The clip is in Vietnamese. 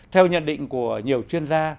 theo nhận định của nhiều chuyên gia